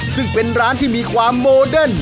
ซึ่งเป็นร้านที่มีความโมเดิร์น